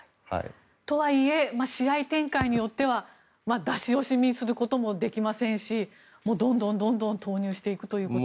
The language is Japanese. とはいえ試合展開によっては出し惜しみすることもできませんしどんどん投入していくということに？